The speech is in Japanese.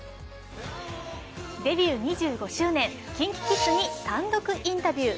デビュー２５周年、ＫｉｎＫｉＫｉｄｓに単独インタビュー。